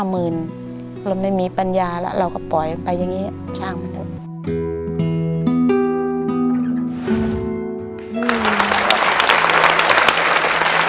เราไม่มีปัญญาแล้วเราก็ปล่อยไปอย่างนี้ช่างมันหมด